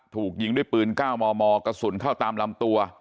ถูกยิงด้วยปืน๙มมกระสุนเข้าตามลำตัว